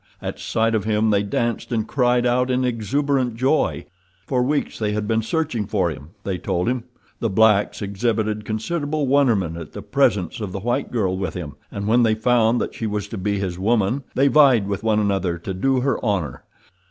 At sight of him they danced and cried out in exuberant joy. For weeks they had been searching for him, they told him. The blacks exhibited considerable wonderment at the presence of the white girl with him, and when they found that she was to be his woman they vied with one another to do her honor.